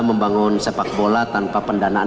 membangun sepak bola tanpa pendanaan